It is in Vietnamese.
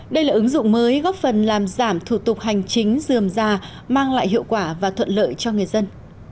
đây là ứng dụng mới góp phần làm giảm thủ tục hành chính dườm già mang lại hiệu quả và thuận lợi cho người dân